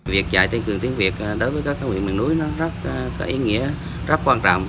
việc dạy tăng cường tiếng việt đối với các huyện miền núi nó rất có ý nghĩa rất quan trọng